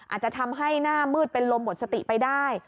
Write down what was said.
อาจจะทำให้หน้ามืดเป็นลมหมดสติไปได้